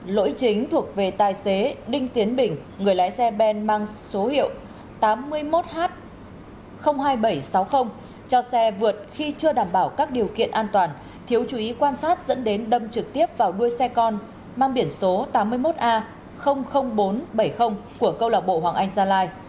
lỗi chính thuộc về tài xế đinh tiến bình người lái xe ben mang số hiệu tám mươi một h hai nghìn bảy trăm sáu mươi cho xe vượt khi chưa đảm bảo các điều kiện an toàn thiếu chú ý quan sát dẫn đến đâm trực tiếp vào đuôi xe con mang biển số tám mươi một a bốn trăm bảy mươi của câu lạc bộ hoàng anh gia lai